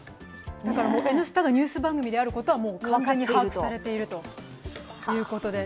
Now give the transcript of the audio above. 「Ｎスタ」がニュース番組であることは把握されているということです。